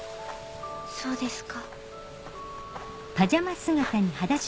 そうですか。